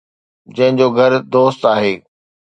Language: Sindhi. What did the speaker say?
جنهن جو گهر دوست آهي